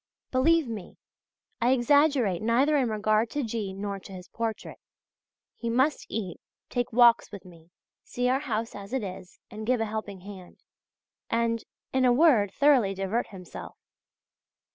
Believe me, I exaggerate neither in regard to G. nor to his portrait. He must eat, take walks with me, see our house as it is, and give a helping hand,{GG} and, in a word, thoroughly divert himself.